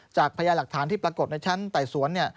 พยาหลักฐานที่ปรากฏในชั้นไต่สวน